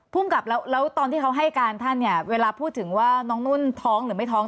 ภูมิกับแล้วตอนที่เขาให้การท่านเนี่ยเวลาพูดถึงว่าน้องนุ่นท้องหรือไม่ท้อง